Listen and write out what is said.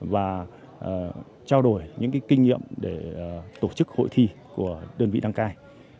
và trao đổi những kinh nghiệm để tổ chức hội thi của đơn vị đăng cai